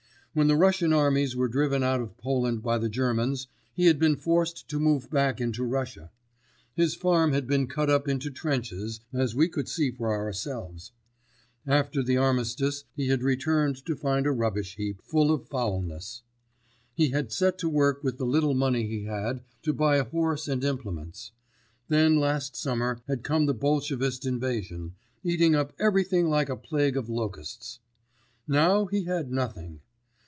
When the Russian armies were driven out of Poland by the Germans, he had been forced to move back into Russia. His farm had been cut up into trenches, as we could see for ourselves. After the Armistice he had returned to find a rubbish heap, full of foulness. He had set to work with the little money he had to buy a horse and implements; then last summer had come the Bolshevist invasion, eating up everything like a plague of locusts. Now he had nothing.